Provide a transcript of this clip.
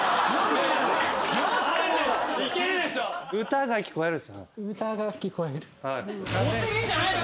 「歌が聞こえる」